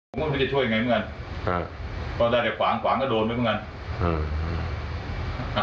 ว่ามันต้องจะช่วยยังไงเหมือนกัน